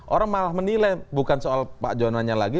orang malah menilai bukan soal pak jonan nya lagi